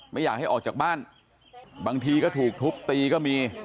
ไม่อยากให้ออกจากบ้านบางทีก็ถูกทุบตีก็มี